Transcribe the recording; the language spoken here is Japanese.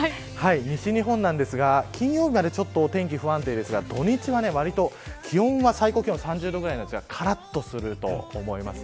西日本なんですが金曜までお天気が不安定ですが土日は気温は最高気温３０度ぐらいなんですがからっとすると思います。